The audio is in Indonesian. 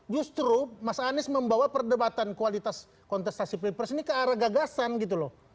justru mas anies membawa perdebatan kualitas kontestasi pilpres ini ke arah gagasan gitu loh